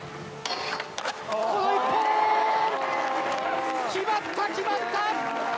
この１本！決まった、決まった！